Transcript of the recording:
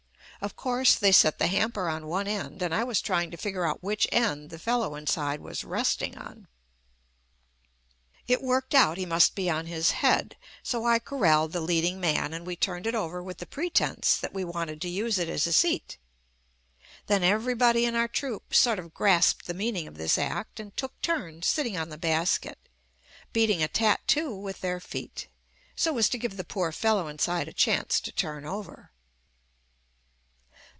Of course, they set the hamper on one end and I was trying «io figure out which end the fellow inside was resting on. It worked out he must be on his head, so I corraled the leading man, and we turned it over with the pretense that we wanted to use it as a seat. Then everybody in our troupe sort of grasped the meaning of this act and took turns sitting on the basket, beating a tattoo with their feet, so as to give the poor fellow in side a chance to turn over.